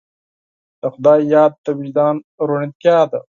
د خدای یاد د وجدان روڼتیا ده.